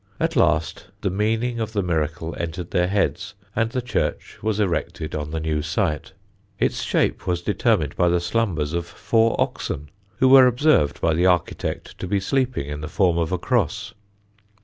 At last the meaning of the miracle entered their heads, and the church was erected on the new site. Its shape was determined by the slumbers of four oxen, who were observed by the architect to be sleeping in the form of a cross.